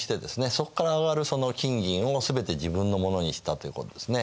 そこから上がる金銀を全て自分のものにしたということですね。